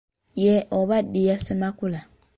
Ye Obadiah Ssemakula.